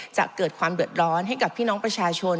จะเกิดความเดือดร้อนให้กับพี่น้องประชาชน